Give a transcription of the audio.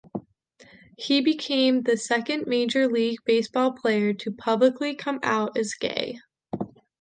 He became the second Major League Baseball player to publicly come out as gay.